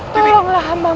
tolonglah hambamu ini